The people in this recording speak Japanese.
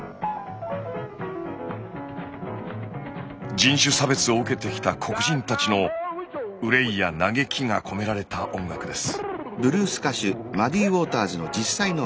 人種差別を受けてきた黒人たちの憂いや嘆きが込められた音楽です。